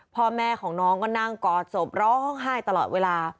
พ่อแม่ของน้องก็นั่งกอดศพร้องไห้ตลอดเวลา